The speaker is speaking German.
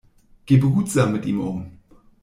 Geh behutsam mit ihm um!